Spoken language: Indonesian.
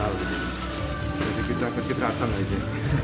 jadi kita berarti terasa lagi